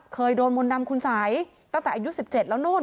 เคยโดนมนต์ดำคุณสัยตั้งแต่อายุ๑๗แล้วนู่น